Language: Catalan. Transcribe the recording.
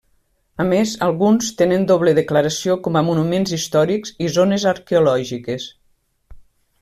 A més, alguns tenen doble declaració com a monuments històrics i zones arqueològiques.